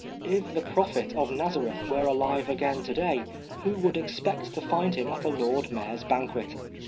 If the Prophet of Nazareth were alive again to day, who would expect to find him at a Lord Mayor's banquet